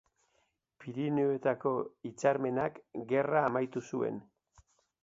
Pirinioetako Hitzarmenak gerra amaitu zuen.